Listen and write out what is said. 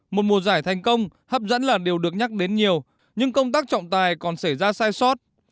một mùa giải thành công hấp dẫn là điều được nhắc đến nhiều nhưng công tác trọng tài còn xảy ra sai sót